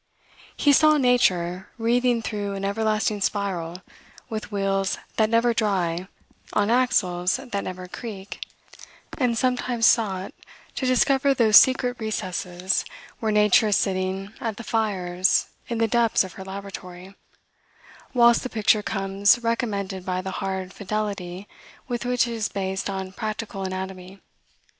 He saw nature "wreathing through an everlasting spiral, with wheels that never dry, on axles that never creak," and sometimes sought "to uncover those secret recess is where nature is sitting at the fires in the depths of her laboratory;" whilst the picture comes recommended by the hard fidelity with which it is based on practical anatomy.